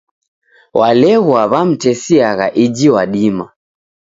Waleghwa wamtesiagha iji wadima.